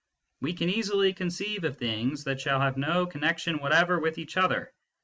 ... We can easily conceive of things that shall have no connec tion whatever with each other.